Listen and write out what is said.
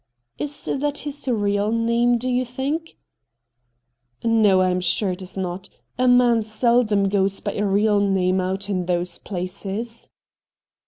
' Is that his real name, do you think ?' 'No, I am sure it is not. A man sel dom goes by a real name out in those places.'